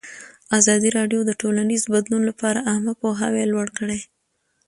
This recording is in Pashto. ازادي راډیو د ټولنیز بدلون لپاره عامه پوهاوي لوړ کړی.